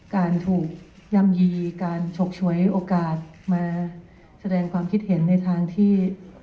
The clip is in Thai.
การถูกย่ำยีการฉกฉวยโอกาสมาแสดงความคิดเห็นในทางที่